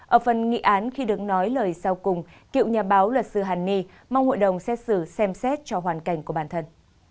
ở phần nghị án khi đứng nói lời sau cùng cựu nhà báo luật sư hàn ni mong hội đồng xét xử xem xét cho hoàn cảnh của bản thân